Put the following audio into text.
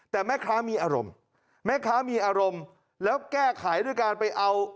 แต่แม่ค้ามีอารมณ์แม่ค้ามีอารมณ์แล้วแก้ไขด้วยการไปเอา